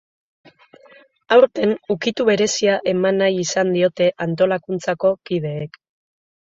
Aurten, ukitu berezia eman nahi izan diote antolakuntzako kideek.